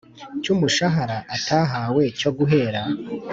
Cy umushahara atahawe cyo guhera